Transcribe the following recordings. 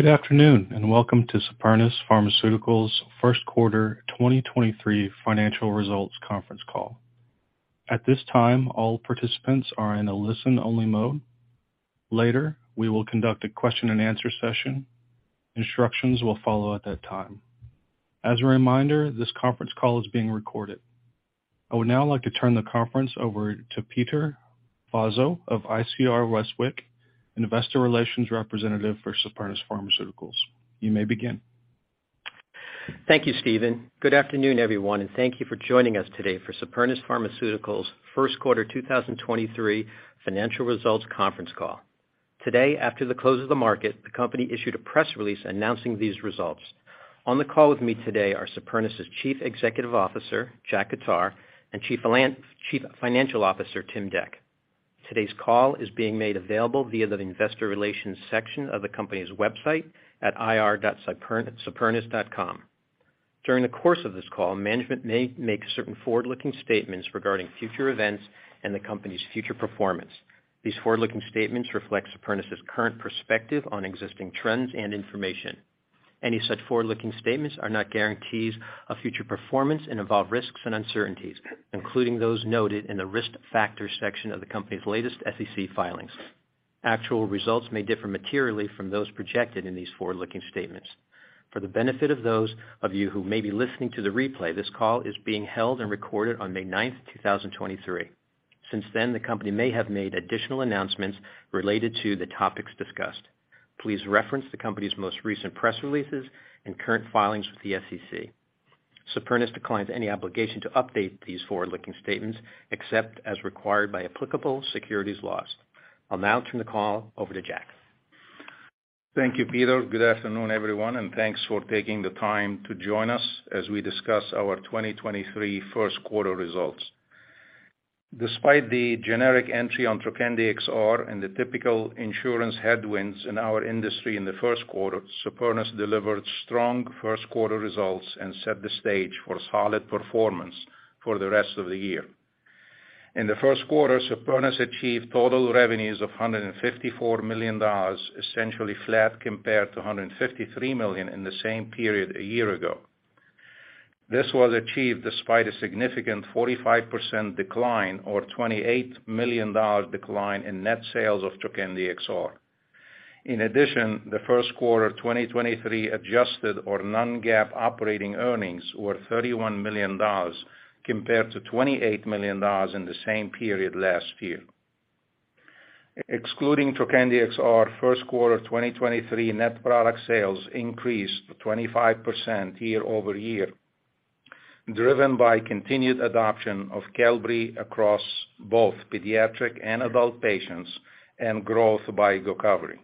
Good afternoon, and welcome to Supernus Pharmaceuticals' first quarter 2023 financial results conference call. At this time, all participants are in a listen-only mode. Later, we will conduct a question-and-answer session. Instructions will follow at that time. As a reminder, this conference call is being recorded. I would now like to turn the conference over to Peter Vozzo of ICR Westwicke, investor relations representative for Supernus Pharmaceuticals. You may begin. Thank you, Steven. Good afternoon, everyone, thank you for joining us today for Supernus Pharmaceuticals' first quarter 2023 financial results conference call. Today, after the close of the market, the company issued a press release announcing these results. On the call with me today are Supernus' Chief Executive Officer, Jack Khattar, and Chief Financial Officer, Tim Dec. Today's call is being made available via the investor relations section of the company's website at ir.supernus.com. During the course of this call, management may make certain forward-looking statements regarding future events and the company's future performance. These forward-looking statements reflect Supernus' current perspective on existing trends and information. Any such forward-looking statements are not guarantees of future performance and involve risks and uncertainties, including those noted in the Risk Factors section of the company's latest SEC filings. Actual results may differ materially from those projected in these forward-looking statements. For the benefit of those of you who may be listening to the replay, this call is being held and recorded on May 9th, 2023. Since then, the company may have made additional announcements related to the topics discussed. Please reference the company's most recent press releases and current filings with the SEC. Supernus declines any obligation to update these forward-looking statements except as required by applicable securities laws. I'll now turn the call over to Jack. Thank you, Peter. Good afternoon, everyone, and thanks for taking the time to join us as we discuss our 2023 first quarter results. Despite the generic entry on Trokendi XR and the typical insurance headwinds in our industry in the first quarter, Supernus delivered strong first quarter results and set the stage for solid performance for the rest of the year. In the first quarter, Supernus achieved total revenues of $154 million, essentially flat compared to $153 million in the same period a year ago. This was achieved despite a significant 45% decline or $28 million decline in net sales of Trokendi XR. In addition, the first quarter of 2023 adjusted or non-GAAP operating earnings were $31 million compared to $28 million in the same period last year. Excluding Trokendi XR, first quarter of 2023 net product sales increased 25% year-over-year, driven by continued adoption of Qelbree across both pediatric and adult patients and growth by GOCOVRI.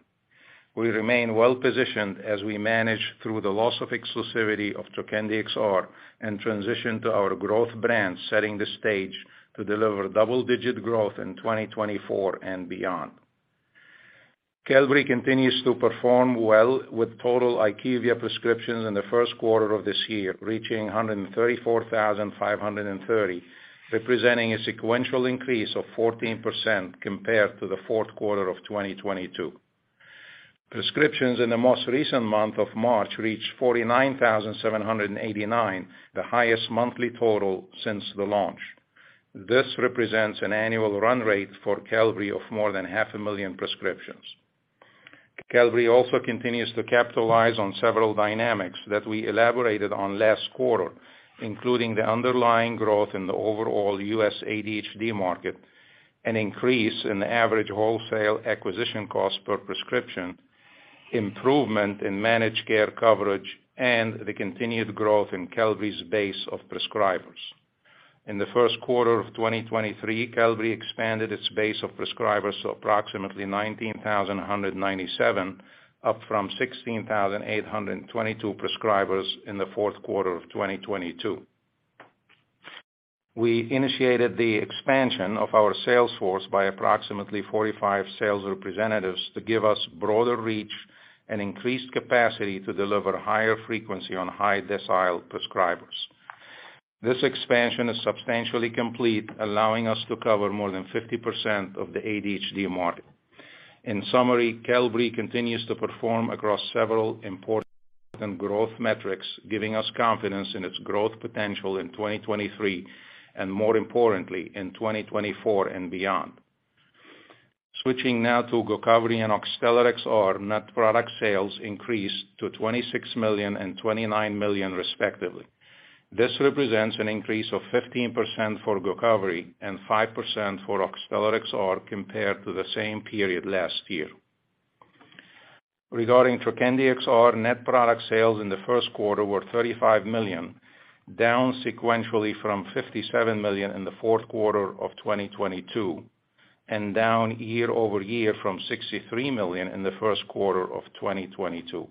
We remain well-positioned as we manage through the loss of exclusivity of Trokendi XR and transition to our growth brands, setting the stage to deliver double-digit growth in 2024 and beyond. Qelbree continues to perform well with total IQVIA prescriptions in the first quarter of this year, reaching 134,530, representing a sequential increase of 14% compared to the fourth quarter of 2022. Prescriptions in the most recent month of March reached 49,789, the highest monthly total since the launch. This represents an annual run rate for Qelbree of more than half a million prescriptions. Qelbree also continues to capitalize on several dynamics that we elaborated on last quarter, including the underlying growth in the overall U.S. ADHD market, an increase in the average wholesale acquisition cost per prescription, improvement in managed care coverage, and the continued growth in Qelbree's base of prescribers. In the first quarter of 2023, Qelbree expanded its base of prescribers to approximately 19,197, up from 16,822 prescribers in the fourth quarter of 2022. We initiated the expansion of our sales force by approximately 45 sales representatives to give us broader reach and increased capacity to deliver higher frequency on high-decile prescribers. This expansion is substantially complete, allowing us to cover more than 50% of the ADHD market. In summary, Qelbree continues to perform across several important growth metrics, giving us confidence in its growth potential in 2023, and more importantly in 2024 and beyond. Switching now to GOCOVRI and Oxtellar XR, net product sales increased to $26 million and $29 million respectively. This represents an increase of 15% for GOCOVRI and 5% for Oxtellar XR compared to the same period last year. Regarding Trokendi XR, net product sales in the first quarter were $35 million, down sequentially from $57 million in the fourth quarter of 2022 and down year-over-year from $63 million in the first quarter of 2022.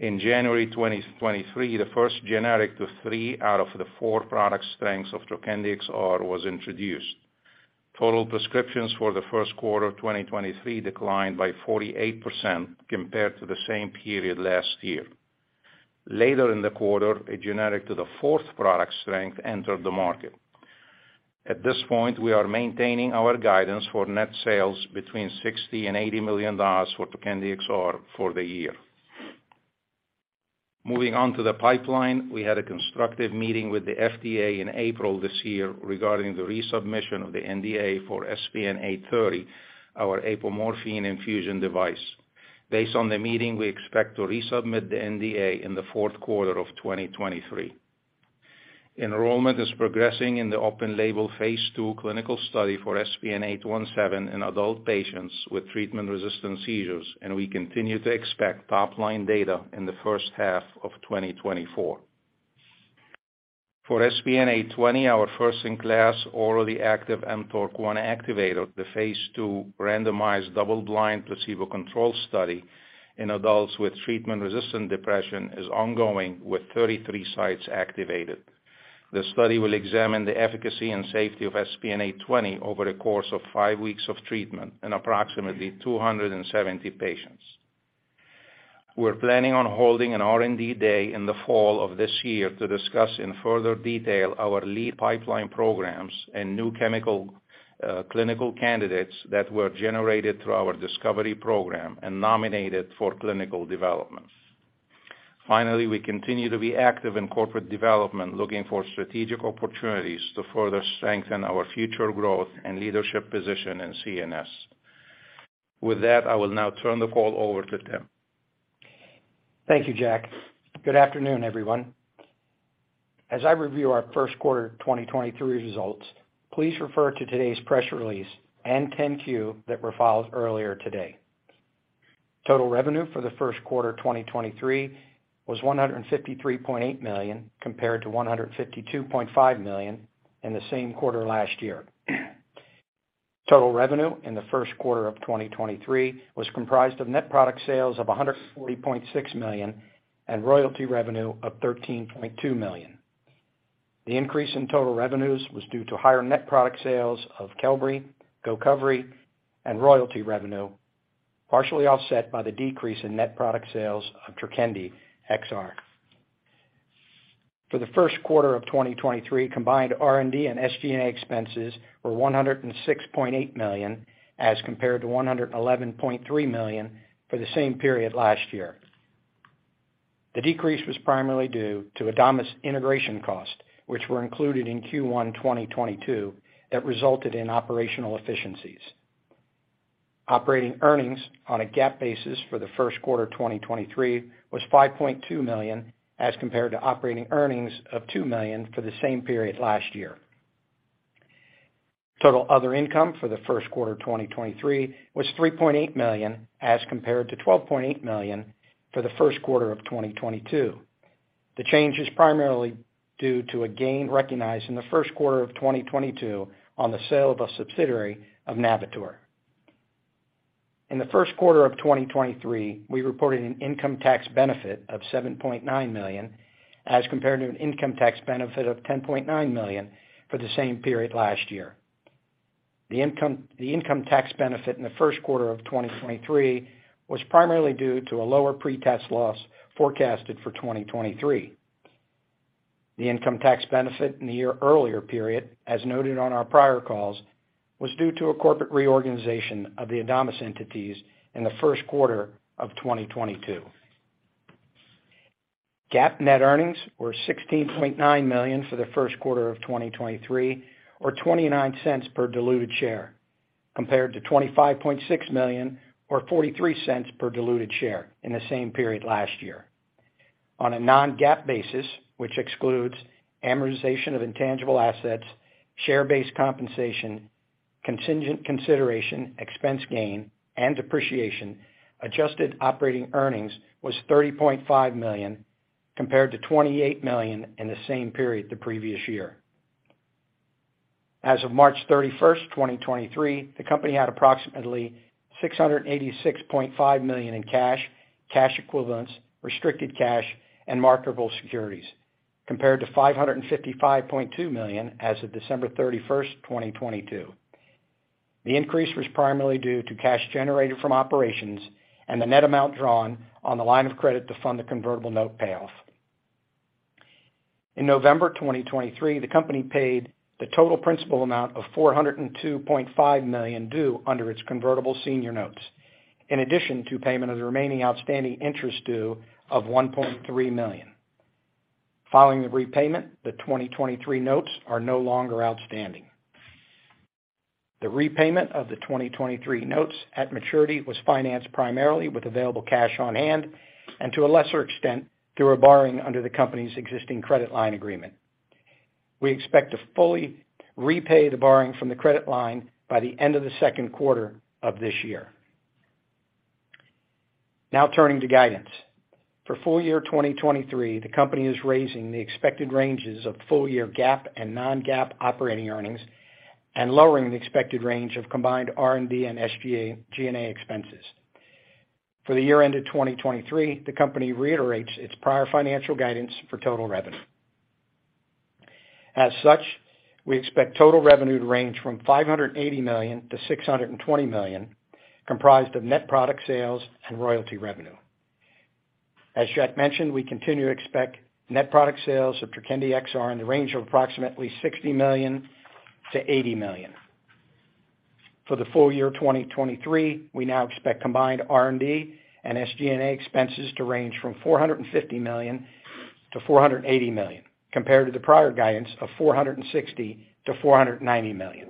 In January 2023, the first generic to 3/4 product strengths of Trokendi XR was introduced. Total prescriptions for the first quarter of 2023 declined by 48% compared to the same period last year. Later in the quarter, a generic to the fourth product strength entered the market. At this point, we are maintaining our guidance for net sales between $60 million and $80 million for Trokendi XR for the year. Moving on to the pipeline. We had a constructive meeting with the FDA in April this year regarding the resubmission of the NDA for SPN-830, our apomorphine infusion device. Based on the meeting, we expect to resubmit the NDA in the fourth quarter of 2023. Enrollment is progressing in the open label phase II clinical study for SPN-817 in adult patients with treatment-resistant seizures, and we continue to expect top-line data in the first half of 2024. For SPN-820, our first-in-class orally active mTORC1 activator, the phase II randomized double-blind placebo-controlled study in adults with treatment-resistant depression is ongoing with 33 sites activated. The study will examine the efficacy and safety of SPN-820 over the course of five weeks of treatment in approximately 270 patients. We're planning on holding an R&D day in the fall of this year to discuss in further detail our lead pipeline programs and new chemical clinical candidates that were generated through our discovery program and nominated for clinical development. We continue to be active in corporate development, looking for strategic opportunities to further strengthen our future growth and leadership position in CNS. With that, I will now turn the call over to Tim. Thank you, Jack. Good afternoon, everyone. As I review our first quarter 2023 results, please refer to today's press release and 10-Q that were filed earlier today. Total revenue for the first quarter 2023 was $153.8 million, compared to $152.5 million in the same quarter last year. Total revenue in the first quarter of 2023 was comprised of net product sales of $140.6 million and royalty revenue of $13.2 million. The increase in total revenues was due to higher net product sales of Qelbree, GOCOVRI and royalty revenue, partially offset by the decrease in net product sales of Trokendi XR. For the first quarter of 2023, combined R&D and SG&A expenses were $106.8 million, as compared to $111.3 million for the same period last year. The decrease was primarily due to Adamas integration costs, which were included in Q1 2022 that resulted in operational efficiencies. Operating earnings on a GAAP basis for the first quarter 2023 was $5.2 million, as compared to operating earnings of $2 million for the same period last year. Total other income for the first quarter 2023 was $3.8 million, as compared to $12.8 million for the first quarter of 2022. The change is primarily due to a gain recognized in the first quarter of 2022 on the sale of a subsidiary of Navitor. In the first quarter of 2023, we reported an income tax benefit of $7.9 million, as compared to an income tax benefit of $10.9 million for the same period last year. The income tax benefit in the first quarter of 2023 was primarily due to a lower pre-tax loss forecasted for 2023. The income tax benefit in the year earlier period, as noted on our prior calls, was due to a corporate reorganization of the Adamas entities in the first quarter of 2022. GAAP net earnings were $16.9 million for the first quarter of 2023 or $0.29 per diluted share, compared to $25.6 million or $0.43 per diluted share in the same period last year. On a non-GAAP basis, which excludes amortization of intangible assets, share-based compensation, contingent consideration, expense gain, and depreciation, adjusted operating earnings was $30.5 million, compared to $28 million in the same period the previous year. As of March 31, 2023, the company had approximately $686.5 million in cash equivalents, restricted cash and marketable securities, compared to $555.2 million as of December 31st, 2022. The increase was primarily due to cash generated from operations and the net amount drawn on the line of credit to fund the convertible note payoff. In November 2023, the company paid the total principal amount of $402.5 million due under its convertible senior notes, in addition to payment of the remaining outstanding interest due of $1.3 million. Following the repayment, the 2023 notes are no longer outstanding. The repayment of the 2023 notes at maturity was financed primarily with available cash on hand and to a lesser extent, through a borrowing under the company's existing credit line agreement. We expect to fully repay the borrowing from the credit line by the end of the second quarter of this year. Turning to guidance. For full year 2023, the company is raising the expected ranges of full year GAAP and non-GAAP operating earnings and lowering the expected range of combined R&D and SG&A expenses. For the year ended 2023, the company reiterates its prior financial guidance for total revenue. We expect total revenue to range from $580 million-$620 million, comprised of net product sales and royalty revenue. As Jack mentioned, we continue to expect net product sales of Trokendi XR in the range of approximately $60 million-$80 million. For the full year of 2023, we now expect combined R&D and SG&A expenses to range from $450 million-$480 million compared to the prior guidance of $460 million-$490 million.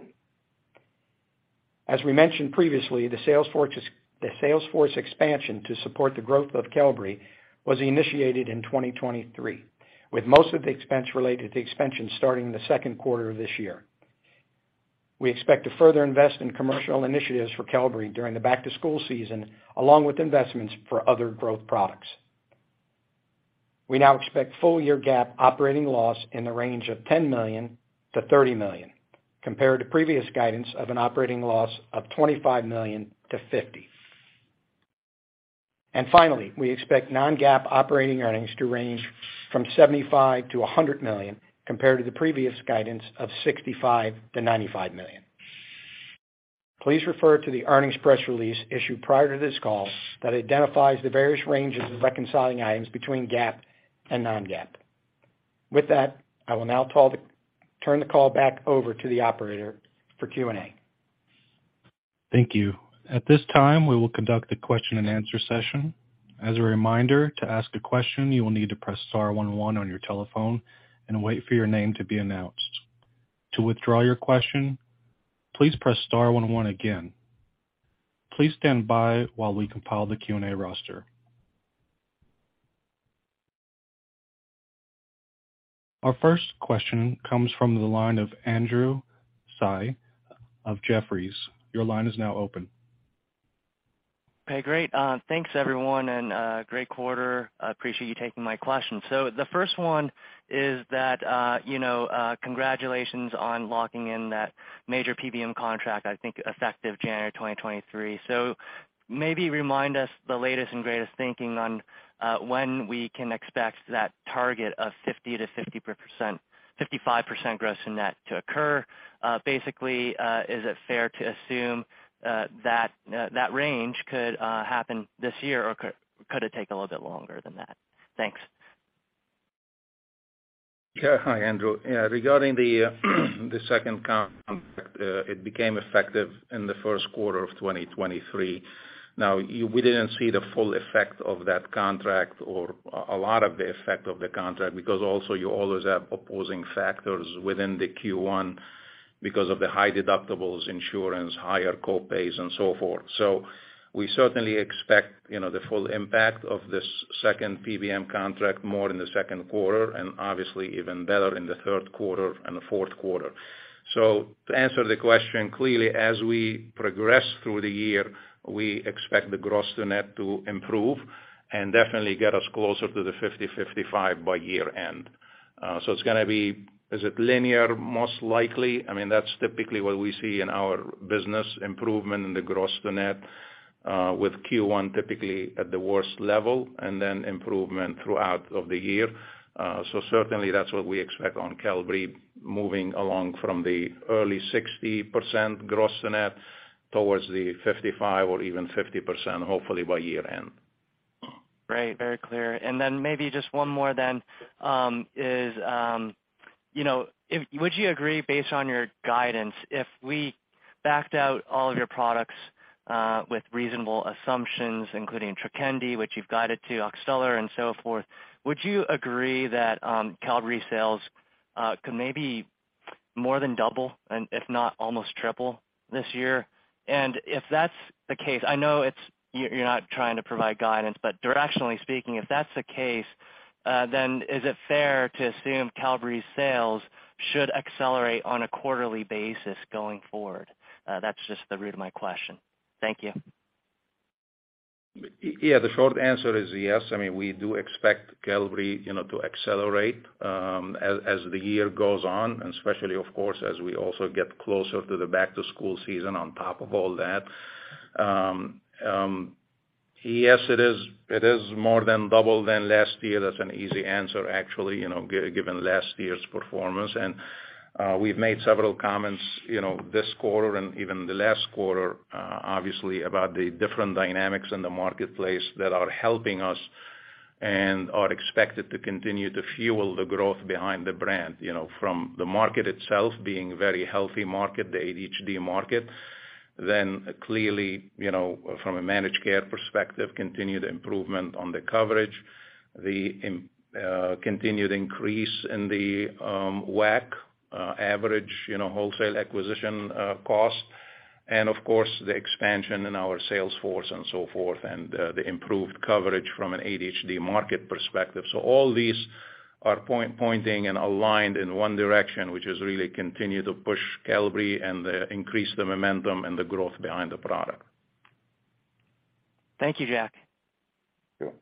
As we mentioned previously, the sales force expansion to support the growth of Qelbree was initiated in 2023, with most of the expense related to expansion starting in the second quarter of this year. We expect to further invest in commercial initiatives for Qelbree during the back-to-school season, along with investments for other growth products. We now expect full year GAAP operating loss in the range of $10 million-$30 million, compared to previous guidance of an operating loss of $20 million-$50 million. Finally, we expect non-GAAP operating earnings to range from $75 million-$100 million compared to the previous guidance of $65 million-$95 million. Please refer to the earnings press release issued prior to this call that identifies the various ranges of reconciling items between GAAP and non-GAAP. With that, I will now turn the call back over to the operator for Q&A. Thank you. At this time, we will conduct a question-and-answer session. As a reminder, to ask a question, you will need to press star one one on your telephone and wait for your name to be announced. To withdraw your question, please press star one one again. Please stand by while we compile the Q&A roster. Our first question comes from the line of Andrew Tsai of Jefferies. Your line is now open. Okay, great. Thanks everyone, great quarter. I appreciate you taking my question. The first one is that, you know, congratulations on locking in that major PBM contract, I think effective January 2023. Maybe remind us the latest and greatest thinking on when we can expect that target of 50%-55% gross to net to occur. Basically, is it fair to assume that range could happen this year or could it take a little bit longer than that? Thanks. Hi, Andrew. Regarding the second contract, it became effective in the first quarter of 2023. We didn't see the full effect of that contract or a lot of the effect of the contract because also you always have opposing factors within the Q1 because of the high deductibles, insurance, higher co-pays and so forth. We certainly expect, you know, the full impact of this second PBM contract more in the second quarter and obviously even better in the third quarter and the fourth quarter. To answer the question clearly, as we progress through the year, we expect the gross to net to improve and definitely get us closer to the 50%-55% by year-end. It's gonna be... Is it linear? Most likely. I mean, that's typically what we see in our business improvement in the gross to net, with Q1 typically at the worst level and then improvement throughout of the year. Certainly that's what we expect on Qelbree moving along from the early 60% gross net towards the 55% or even 50%, hopefully by year-end. Great. Very clear. Then maybe just one more then. You know, would you agree based on your guidance, if we backed out all of your products, with reasonable assumptions, including TRKND, which you've guided to Oxtellar XR and so forth, would you agree that Qelbree sales could maybe more than double and if not, almost triple this year? If that's the case, I know you're not trying to provide guidance, but directionally speaking, if that's the case, then is it fair to assume Qelbree sales should accelerate on a quarterly basis going forward? That's just the root of my question. Thank you. Yeah, the short answer is yes. I mean, we do expect Qelbree, you know, to accelerate as the year goes on, and especially, of course, as we also get closer to the back-to-school season on top of all that. Yes, it is more than double than last year. That's an easy answer, actually, you know, given last year's performance. We've made several comments, you know, this quarter and even the last quarter, obviously about the different dynamics in the marketplace that are helping us and are expected to continue to fuel the growth behind the brand, you know, from the market itself being very healthy market, the ADHD market. Clearly, you know, from a managed care perspective, continued improvement on the coverage, the continued increase in the WAC average, you know, wholesale acquisition cost, and of course, the expansion in our sales force and so forth, and the improved coverage from an ADHD market perspective. All these are pointing and aligned in one direction, which is really continue to push Qelbree and the increase the momentum and the growth behind the product. Thank you, Jack. Sure.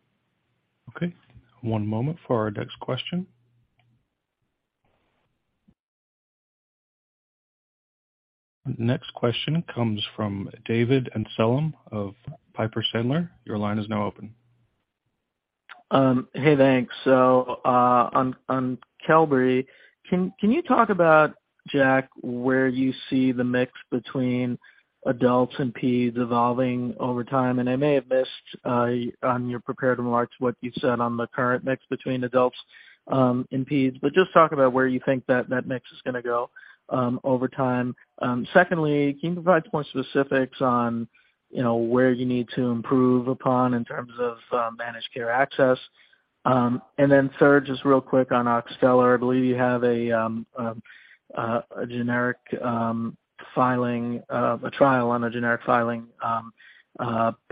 Okay. One moment for our next question. Next question comes from David Amsellem of Piper Sandler. Your line is now open. Hey, thanks. On Qelbree, can you talk about, Jack, where you see the mix between adults and pedes evolving over time? I may have missed on your prepared remarks what you said on the current mix between adults and pedes, but just talk about where you think that mix is gonna go over time. Secondly, can you provide more specifics on, you know, where you need to improve upon in terms of managed care access? Then third, just real quick on Oxtellar XR. I believe you have a generic filing, a trial on a generic filing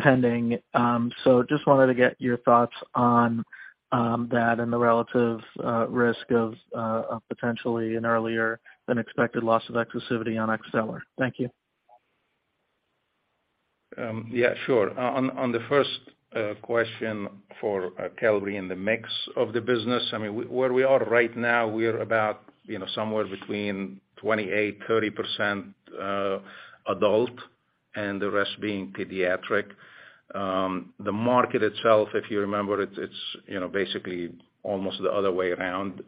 pending. Just wanted to get your thoughts on that and the relative risk of potentially an earlier than expected loss of exclusivity on Oxtellar XR. Thank you. Yeah, sure. On the first question for Qelbree and the mix of the business, I mean, where we are right now, we're about, you know, somewhere between 28%-30% adult and the rest being pediatric. The market itself, if you remember, it's you know, basically almost the other way around,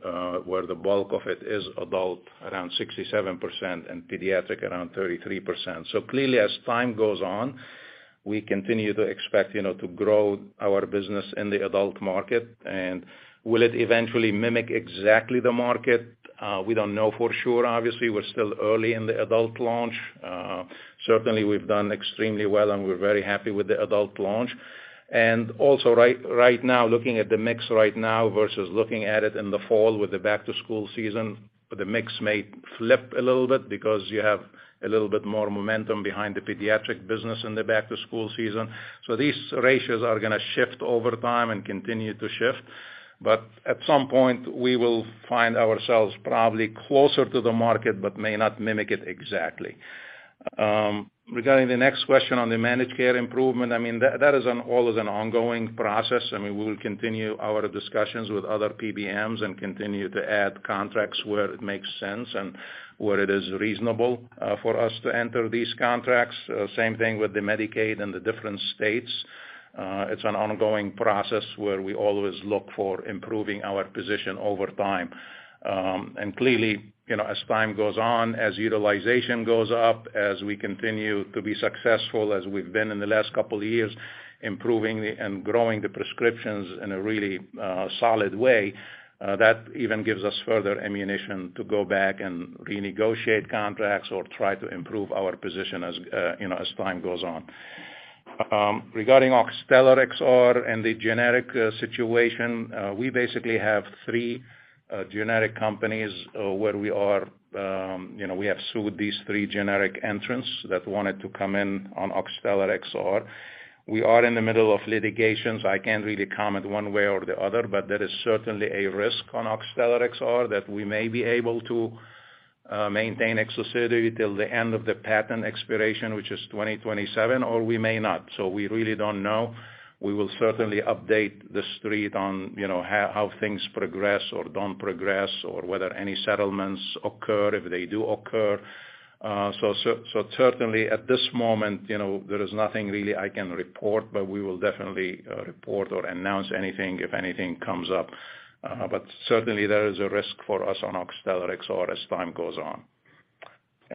where the bulk of it is adult around 67% and pediatric around 33%. Clearly as time goes on, we continue to expect, you know, to grow our business in the adult market. Will it eventually mimic exactly the market? We don't know for sure. Obviously, we're still early in the adult launch. Certainly we've done extremely well and we're very happy with the adult launch. Also right now looking at the mix right now versus looking at it in the fall with the back to school season, the mix may flip a little bit because you have a little bit more momentum behind the pediatric business in the back to school season. These ratios are going to shift over time and continue to shift. At some point we will find ourselves probably closer to the market but may not mimic it exactly. Regarding the next question on the managed care improvement, I mean, that is always an ongoing process. I mean, we will continue our discussions with other PBMs and continue to add contracts where it makes sense and where it is reasonable for us to enter these contracts. Same thing with the Medicaid and the different states. It's an ongoing process where we always look for improving our position over time. Clearly, you know, as time goes on, as utilization goes up, as we continue to be successful as we've been in the last couple of years, improving and growing the prescriptions in a really solid way, that even gives us further ammunition to go back and renegotiate contracts or try to improve our position as, you know, as time goes on. Regarding Oxtellar XR and the generic situation, we basically have three generic companies where we are, you know, we have sued these three generic entrants that wanted to come in on Oxtellar XR. We are in the middle of litigation, so I can't really comment one way or the other. There is certainly a risk on Oxtellar XR that we may be able to maintain exclusivity till the end of the patent expiration, which is 2027, or we may not. We really don't know. We will certainly update the street on, you know, how things progress or don't progress or whether any settlements occur if they do occur. Certainly at this moment, you know, there is nothing really I can report, but we will definitely report or announce anything if anything comes up. Certainly there is a risk for us on Oxtellar XR as time goes on.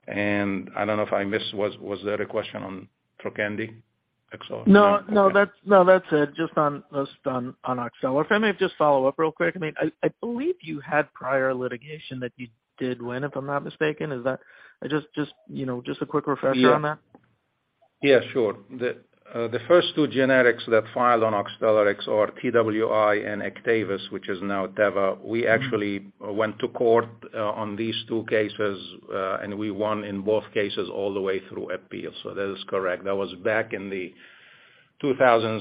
I don't know if I missed. Was there a question on Trokendi XR? No, no, that's it. Just on Oxtellar. If I may just follow up real quick. I mean, I believe you had prior litigation that you did win, if I'm not mistaken. Is that? Just, you know, just a quick refresher on that. Yeah, sure. The first two generics that filed on Oxtellar XR, TWi and Actavis, which is now Teva, we actually went to court on these two cases and we won in both cases all the way through appeals. That is correct. That was back in the 2016,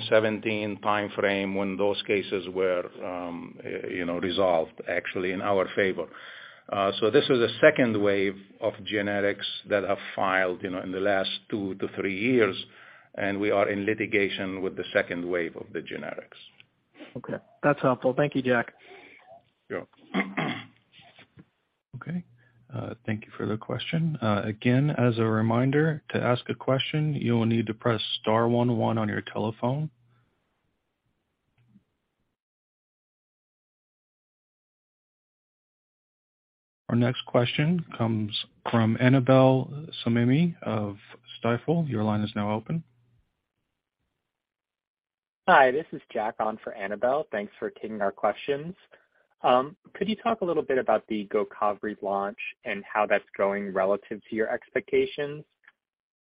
2017 time frame when those cases were, you know, resolved actually in our favor. This is a second wave of generics that have filed, you know, in the last two-three years, and we are in litigation with the second wave of the generics. Okay. That's helpful. Thank you, Jack. You're welcome. Okay. Thank you for the question. Again, as a reminder, to ask a question, you will need to press star one one on your telephone. Our next question comes from Annabel Samimy of Stifel. Your line is now open. Hi, this is Jack on for Annabel. Thanks for taking our questions. Could you talk a little bit about the GOCOVRI launch and how that's going relative to your expectations?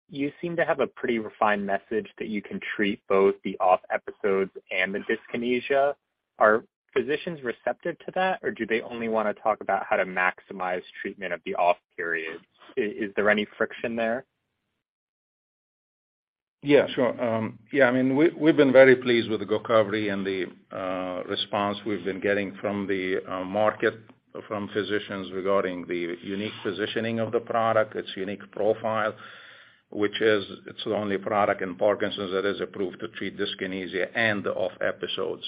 You seem to have a pretty refined message that you can treat both the OFF episodes and the dyskinesia. Are physicians receptive to that, or do they only wanna talk about how to maximize treatment of the OFF periods? Is there any friction there? Yeah, sure. I mean, we've been very pleased with the GOCOVRI and the response we've been getting from the market, from physicians regarding the unique positioning of the product, its unique profile, which is it's the only product in Parkinson's that is approved to treat dyskinesia and the OFF episodes.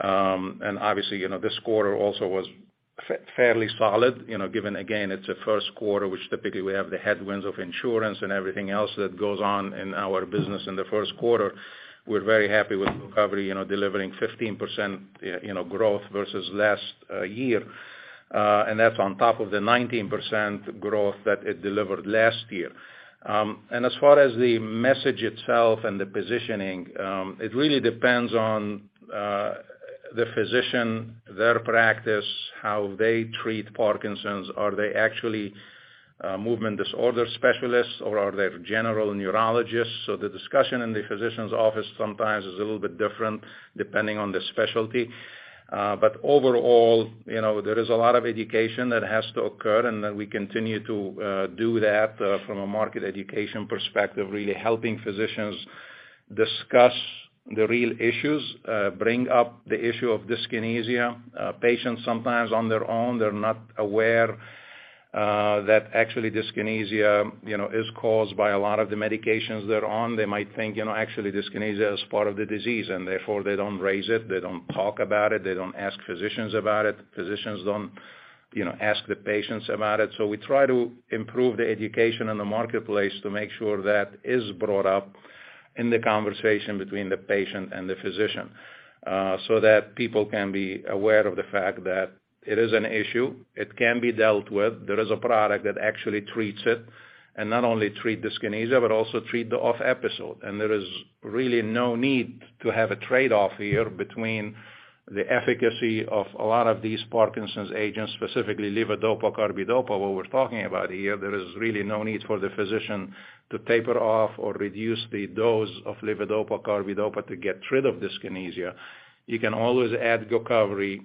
And obviously, you know, this quarter also was fairly solid, you know, given again, it's a first quarter, which typically we have the headwinds of insurance and everything else that goes on in our business in the first quarter. We're very happy with recovery, you know, delivering 15% growth versus last year. And that's on top of the 19% growth that it delivered last year. As far as the message itself and the positioning, it really depends on the physician, their practice, how they treat Parkinson's. Are they actually movement disorder specialists or are they general neurologists? The discussion in the physician's office sometimes is a little bit different depending on the specialty. Overall, you know, there is a lot of education that has to occur, and then we continue to do that from a market education perspective, really helping physicians discuss the real issues, bring up the issue of dyskinesia. Patients sometimes on their own, they're not aware that actually dyskinesia, you know, is caused by a lot of the medications they're on. They might think, you know, actually dyskinesia is part of the disease, and therefore, they don't raise it, they don't talk about it, they don't ask physicians about it, physicians don't, you know, ask the patients about it. We try to improve the education in the marketplace to make sure that is brought up in the conversation between the patient and the physician, so that people can be aware of the fact that it is an issue, it can be dealt with. There is a product that actually treats it, and not only treat dyskinesia, but also treat the OFF episode. There is really no need to have a trade-off here between the efficacy of a lot of these Parkinson's agents, specifically levodopa carbidopa, what we're talking about here. There is really no need for the physician to taper off or reduce the dose of levodopa/carbidopa to get rid of dyskinesia. You can always add GOCOVRI,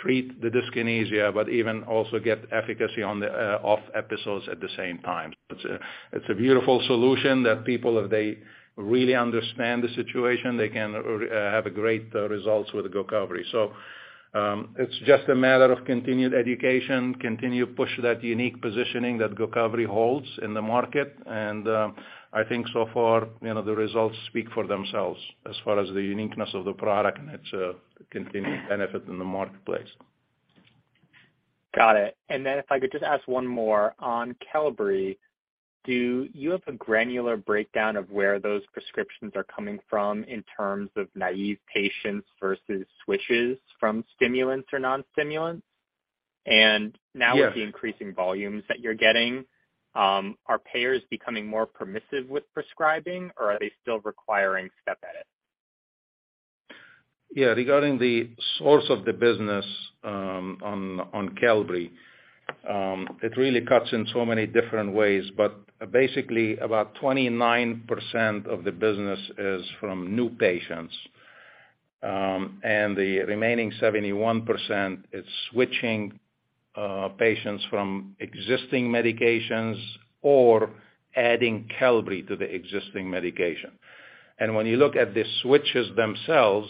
treat the dyskinesia, but even also get efficacy on the OFF episodes at the same time. It's a beautiful solution that people, if they really understand the situation, they can have a great results with GOCOVRI. It's just a matter of continued education, continue to push that unique positioning that GOCOVRI holds in the market. I think so far, you know, the results speak for themselves as far as the uniqueness of the product and its continued benefit in the marketplace. Got it. If I could just ask one more. On Qelbree, do you have a granular breakdown of where those prescriptions are coming from in terms of naive patients versus switches from stimulants or non-stimulants? Yes. With the increasing volumes that you're getting, are payers becoming more permissive with prescribing or are they still requiring step edit? Regarding the source of the business, on Qelbree, it really cuts in so many different ways, but basically about 29% of the business is from new patients. The remaining 71% is switching patients from existing medications or adding Qelbree to the existing medication. When you look at the switches themselves,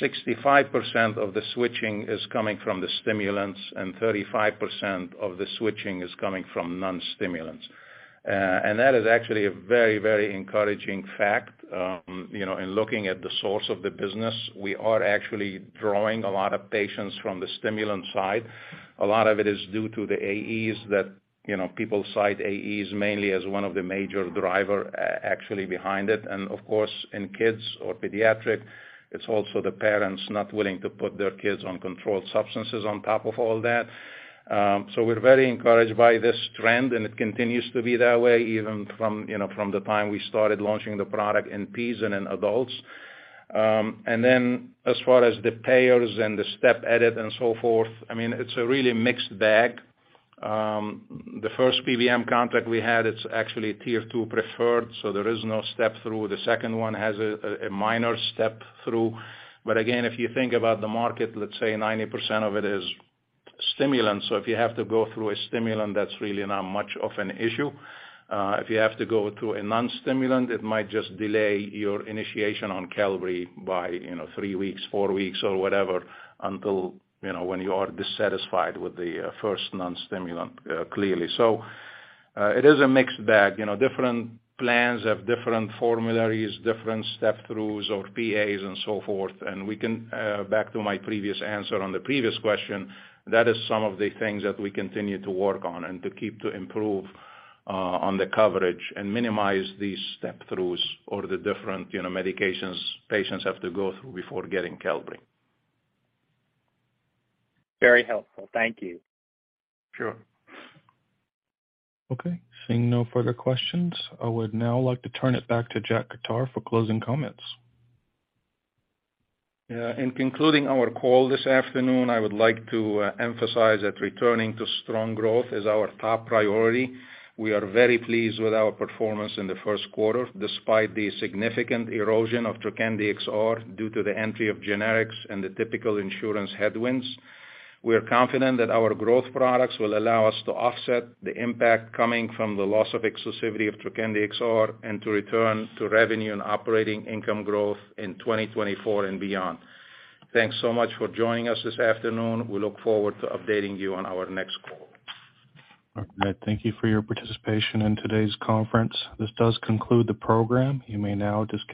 65% of the switching is coming from the stimulants and 35% of the switching is coming from non-stimulants. That is actually a very, very encouraging fact. You know, in looking at the source of the business, we are actually drawing a lot of patients from the stimulant side. A lot of it is due to the AEs that, you know, people cite AEs mainly as one of the major driver actually behind it. Of course, in kids or pediatric, it's also the parents not willing to put their kids on controlled substances on top of all that. We're very encouraged by this trend, and it continues to be that way, even from, you know, from the time we started launching the product in P's and in adults. Then as far as the payers and the step edit and so forth, I mean, it's a really mixed bag. The first PBM contract we had, it's actually Tier 2 preferred, so there is no step-through. The second one has a minor step-through. Again, if you think about the market, let's say 90% of it is stimulants. So if you have to go through a stimulant, that's really not much of an issue. If you have to go through a non-stimulant, it might just delay your initiation on Qelbree by, you know, three weeks, four weeks or whatever, until, you know, when you are dissatisfied with the, first non-stimulant, clearly. It is a mixed bag. You know, different plans have different formularies, different step-throughs or PAs and so forth. We can, back to my previous answer on the previous question, that is some of the things that we continue to work on and to keep to improve, on the coverage and minimize these step-throughs or the different, you know, medications patients have to go through before getting Qelbree. Very helpful. Thank you. Sure. Okay, seeing no further questions, I would now like to turn it back to Jack Khattar for closing comments. Yeah, in concluding our call this afternoon, I would like to emphasize that returning to strong growth is our top priority. We are very pleased with our performance in the first quarter, despite the significant erosion of Trokendi XR due to the entry of generics and the typical insurance headwinds. We are confident that our growth products will allow us to offset the impact coming from the loss of exclusivity of Trokendi XR and to return to revenue and operating income growth in 2024 and beyond. Thanks so much for joining us this afternoon. We look forward to updating you on our next call. All right. Thank you for your participation in today's conference. This does conclude the program. You may now disconnect.